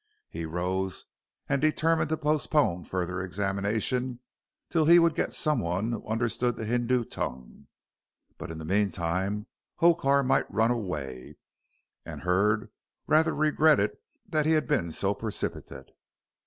He rose and determined to postpone further examination till he would get someone who understood the Hindoo tongue. But in the meantime Hokar might run away, and Hurd rather regretted that he had been so precipitate.